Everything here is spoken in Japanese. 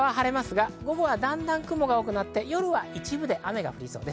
太平洋側は晴れますが午後はだんだん雲が多くなって夜は一部で雨が降りそうです。